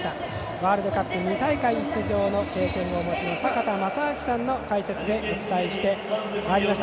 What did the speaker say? ワールドカップ２大会出場の経験をお持ちの坂田正彰さんの解説でお伝えしてまいりました。